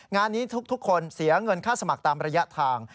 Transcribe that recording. งานนี้ทุกคนเสียเงินค่าสมัครตามระยะทาง